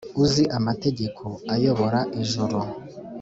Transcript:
uzi amategeko ayobora ijuru’